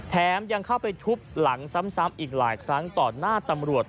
ยังเข้าไปทุบหลังซ้ำอีกหลายครั้งต่อหน้าตำรวจ